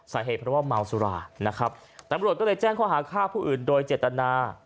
สาเหตุเพราะว่าเมาสุรานะครับตำรวจก็เลยแจ้งข้อหาฆ่าผู้อื่นโดยเจตนา